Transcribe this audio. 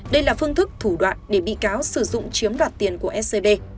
đây là phương thức thủ đoạn để bị cáo sử dụng chiếm đoạt tiền của scb